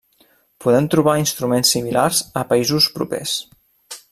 Podem trobar instruments similars a països propers.